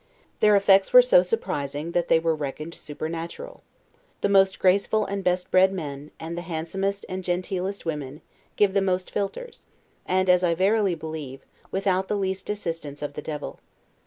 Their effects were so surprising, that they were reckoned supernatural. The most graceful and best bred men, and the handsomest and genteelest women, give the most philters; and, as I verily believe, without the least assistance of the devil.